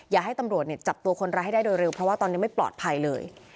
อยากให้ตำรวจจับตัวคนร้ายให้ได้โดยเร็วเพราะว่าตอนนี้ไม่ปลอดภัยเลย